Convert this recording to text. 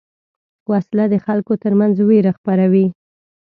وسله د خلکو تر منځ وېره خپروي